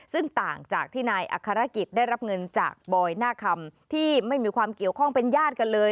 ซึ่งต่างจากที่นายอัครกิจได้รับเงินจากบอยหน้าคำที่ไม่มีความเกี่ยวข้องเป็นญาติกันเลย